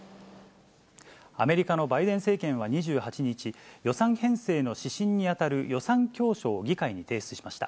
アメリカのバイデン政権は２８日、予算編成の指針に当たる予算教書を議会に提出しました。